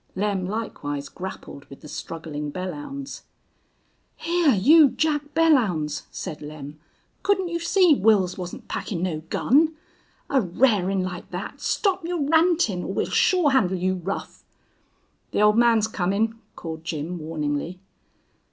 Lem likewise grappled with the struggling Belllounds. "Hyar, you Jack Belllounds," said Lem, "couldn't you see Wils wasn't packin' no gun? A r'arin' like thet!... Stop your rantin' or we'll sure handle you rough." "The old man's comin'," called Jim, warningly.